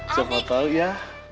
siapa tahu ya